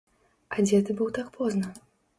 А дзе ты быў так позна?